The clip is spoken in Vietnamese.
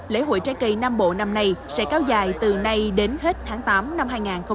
lễ hội trái cây nam bộ năm nay sẽ cao dài từ nay đến hết tháng tám năm hai nghìn hai mươi